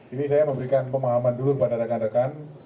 ini saya memberikan pemahaman dulu kepada rekan rekan